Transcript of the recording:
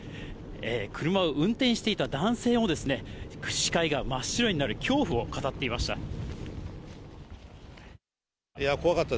車を運転していた男性も、視界が真っ白になる恐怖を語っていました。